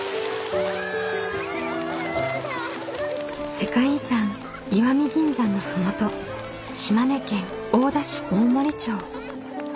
世界遺産石見銀山の麓島根県大田市大森町。